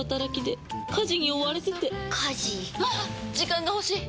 時間が欲しい！